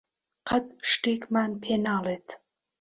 قەت شتێکمان پێ ناڵێت.